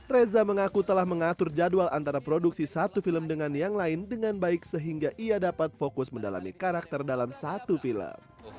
reza mengaku telah mengatur jadwal antara produksi satu film dengan yang lain dengan baik sehingga ia dapat fokus mendalami karakter dalam satu film